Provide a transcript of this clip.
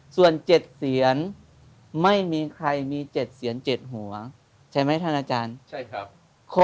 ส่วนเจ็ดเสียนไม่มีใครมีเจ็ดเสียนเจ็ดหัวใช่ไหมท่านอาจารณ์ใช่ครับ